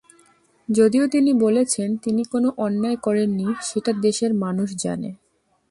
যদিও তিনি বলেছেন, তিনি কোনো অন্যায় করেননি, সেটা দেশের মানুষ জানে।